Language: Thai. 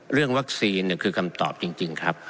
เรื่องวัคซีนคือคำตอบจริงครับ